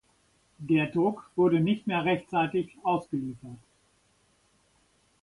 Der Druck wurde nicht mehr rechtzeitig ausgeliefert.